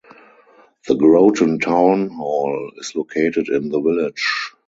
The Groton Town Hall is located in the village.